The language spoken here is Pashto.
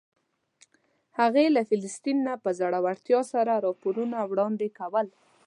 هغې له فلسطین نه په زړورتیا سره راپورونه وړاندې کول.